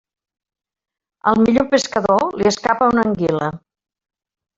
Al millor pescador li escapa una anguila.